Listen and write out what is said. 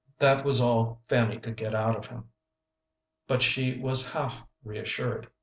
That was all Fanny could get out of him, but she was half reassured.